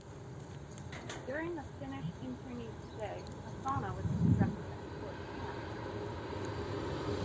During the Finnish internees' stay a sauna was constructed at the fort's camp.